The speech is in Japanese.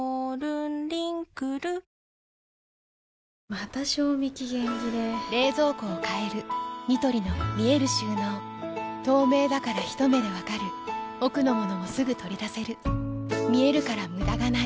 また賞味期限切れ冷蔵庫を変えるニトリの見える収納透明だからひと目で分かる奥の物もすぐ取り出せる見えるから無駄がないよし。